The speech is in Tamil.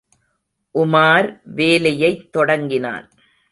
உமார் வேலையைத் தொடங்கினான்.